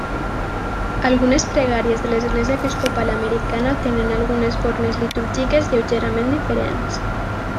Algunes pregàries de l'Església Episcopal Americana tenen algunes formes litúrgiques lleugerament diferents.